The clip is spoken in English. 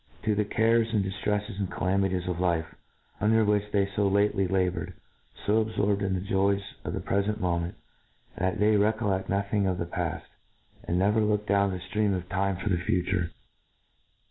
to the cares, and diftrefl<ss, and calamities of life, under which they fo lately laboured ^ fo abforbed in the joys bf the prefei&t mPment» that they re* coIIeQ: nothing of the pall,, and never look dowQ the ftream of time for the future.